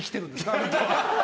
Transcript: あんたは。